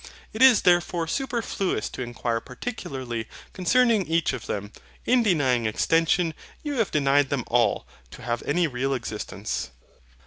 It is therefore superfluous to inquire particularly concerning each of them. In denying extension, you have denied them all to have any real existence.